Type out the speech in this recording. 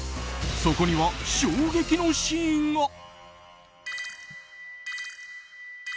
そこには衝撃のシーンが。